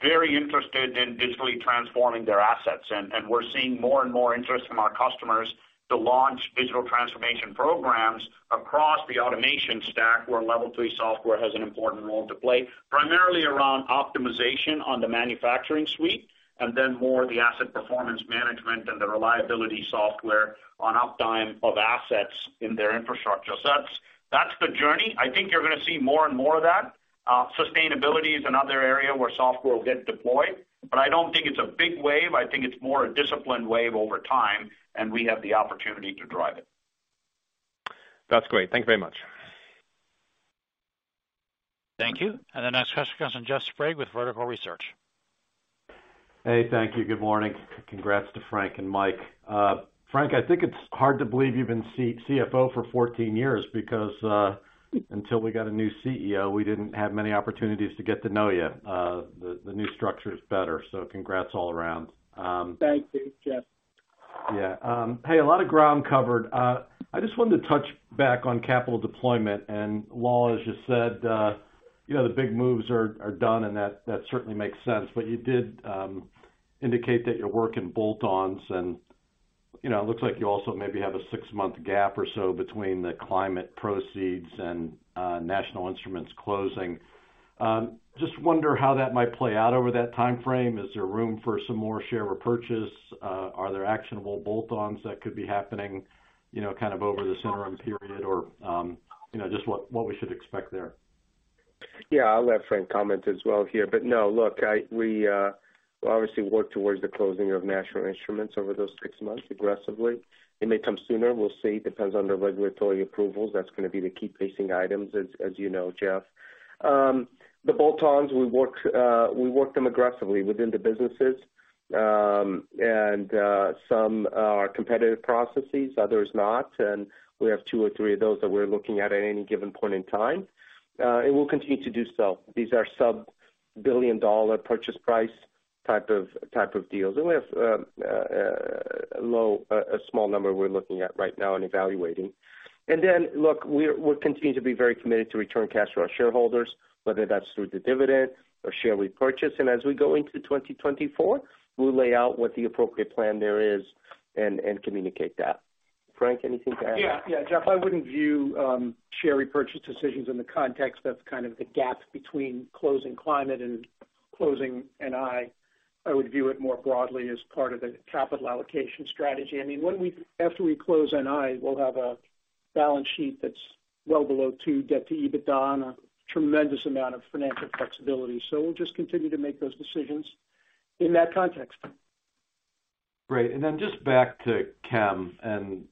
very interested in digitally transforming their assets. We're seeing more and more interest from our customers to launch digital transformation programs across the automation stack, where level 3 software has an important role to play, primarily around optimization on the manufacturing suite, and then more the asset performance management and the reliability software on uptime of assets in their infrastructure. That's the journey. I think you're gonna see more and more of that. Sustainability is another area where software will get deployed, but I don't think it's a big wave. I think it's more a disciplined wave over time, and we have the opportunity to drive it. That's great. Thank you very much. Thank you. The next question comes from Jeff Sprague with Vertical Research. Hey. Thank you. Good morning. Congrats to Frank and Mike. Frank, I think it's hard to believe you've been CFO for 14 years because until we got a new CEO, we didn't have many opportunities to get to know you. The new structure is better, so congrats all around. Thank you, Jeff. Yeah. Hey, a lot of ground covered. I just wanted to touch back on capital deployment. Lal, as you said, you know, the big moves are done, and that certainly makes sense. You did indicate that you're working bolt-ons and, you know, it looks like you also maybe have a 6-month gap or so between the climate proceeds and National Instruments closing. Just wonder how that might play out over that timeframe. Is there room for some more share repurchase? Are there actionable bolt-ons that could be happening, you know, kind of over this interim period or, you know, just what we should expect there? Yeah, I'll let Frank comment as well here. No, look, we'll obviously work towards the closing of National Instruments over those 6 months aggressively. It may come sooner, we'll see. Depends on the regulatory approvals. That's gonna be the key pacing items, as you know, Jeff. The bolt-ons, we work them aggressively within the businesses. Some are competitive processes, others not, and we have 2 or 3 of those that we're looking at at any given point in time. We'll continue to do so. These are sub-billion dollar purchase price type of deals. We have a small number we're looking at right now and evaluating. Look, we're continuing to be very committed to return cash to our shareholders, whether that's through the dividend or share repurchase. As we go into 2024, we'll lay out what the appropriate plan there is and communicate that. Frank, anything to add? Jeff, I wouldn't view share repurchase decisions in the context of kind of the gap between closing Climate and closing NI. I would view it more broadly as part of the capital allocation strategy. I mean, when after we close NI, we'll have a balance sheet that's well below 2 debt-to-EBITDA on a tremendous amount of financial flexibility. We'll just continue to make those decisions in that context. Great. Then just back to chem, and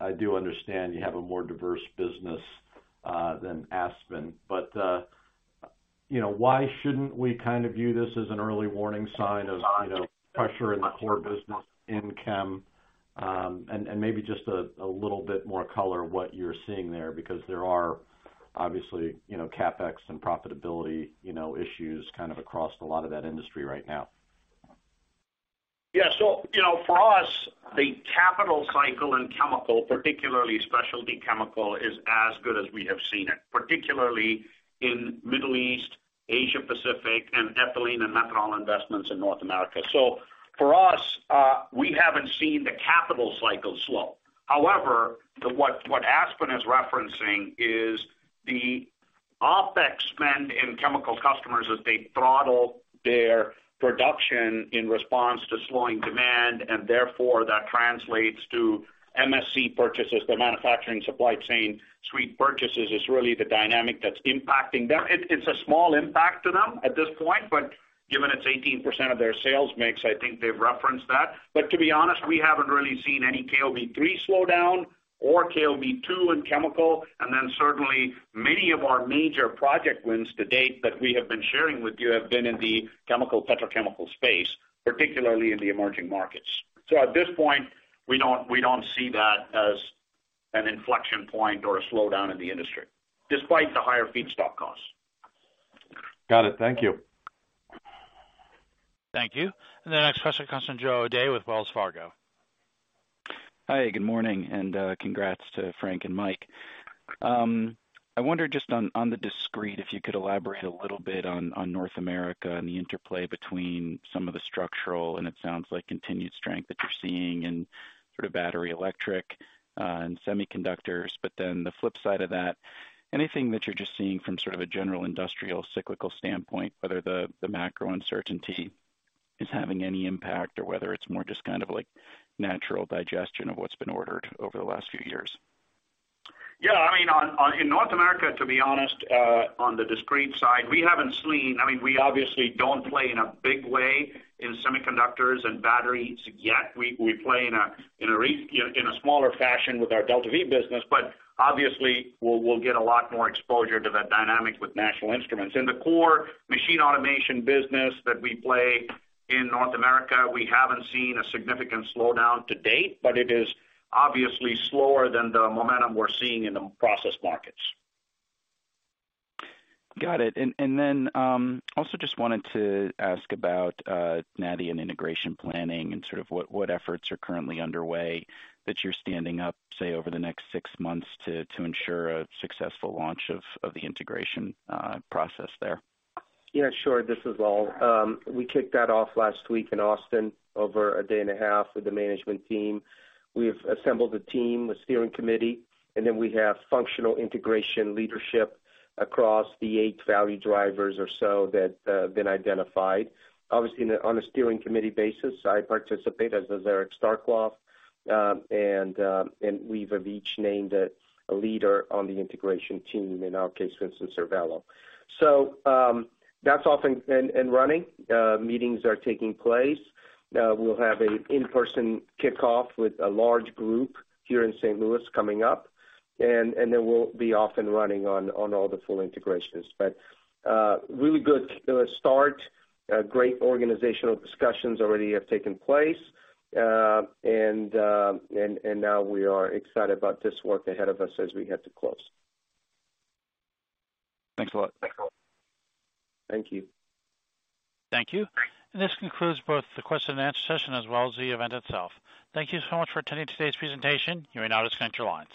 I do understand you have a more diverse business than Aspen. You know, why shouldn't we kind of view this as an early warning sign of, you know, pressure in the core business in chem, and maybe just a little bit more color of what you're seeing there, because there are obviously, you know, CapEx and profitability, you know, issues kind of across a lot of that industry right now. Yeah. You know, for us, the capital cycle in chemical, particularly specialty chemical, is as good as we have seen it, particularly in Middle East, Asia Pacific, and ethylene and methanol investments in North America. For us, we haven't seen the capital cycle slow. However, what Aspen is referencing is the OpEx spend in chemical customers as they throttle their production in response to slowing demand, and therefore that translates to MSC purchases, their manufacturing supply chain suite purchases is really the dynamic that's impacting them. It's a small impact to them at this point, but given it's 18% of their sales mix, I think they've referenced that. To be honest, we haven't really seen any KOB 3 slow down or KOB 2 in chemical. Certainly many of our major project wins to date that we have been sharing with you have been in the chemical/petrochemical space, particularly in the emerging markets. At this point, we don't see that as an inflection point or a slowdown in the industry, despite the higher feedstock costs. Got it. Thank you. Thank you. The next question comes from Joe O'Dea with Wells Fargo. Hi, good morning, and congrats to Frank and Mike. I wonder just on the discrete, if you could elaborate a little bit on North America and the interplay between some of the structural, and it sounds like continued strength that you're seeing in sort of battery, electric, and semiconductors? The flip side of that, anything that you're just seeing from sort of a general industrial cyclical standpoint, whether the macro uncertainty is having any impact or whether it's more just kind of like natural digestion of what's been ordered over the last few years? I mean, in North America, to be honest, on the discrete side, we haven't seen. I mean, we obviously don't play in a big way in semiconductors and batteries yet. We play in a smaller fashion with our DeltaV business. Obviously, we'll get a lot more exposure to that dynamic with National Instruments. In the core machine automation business that we play in North America, we haven't seen a significant slowdown to date, but it is obviously slower than the momentum we're seeing in the process markets. Got it. Then, also just wanted to ask about NI and integration planning and sort of what efforts are currently underway that you're standing up, say, over the next 6 months to ensure a successful launch of the integration process there. Yeah, sure. This is Lal. We kicked that off last week in Austin over a day and a half with the management team. We've assembled a team, a steering committee, and then we have functional integration leadership across the 8 value drivers or so that have been identified. Obviously on a steering committee basis, I participate, as does Eric Starkloff. We've each named a leader on the integration team. In our case, for instance, Cervello. That's off and running. Meetings are taking place. We'll have a in-person kickoff with a large group here in St. Louis coming up, and then we'll be off and running on all the full integrations. Really good start, great organizational discussions already have taken place. Now we are excited about this work ahead of us as we head to close. Thanks a lot. Thank you. Thank you. This concludes both the question and answer session as well as the event itself. Thank you so much for attending today's presentation. You may now disconnect your lines.